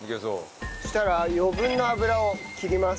そしたら余分な油を切ります。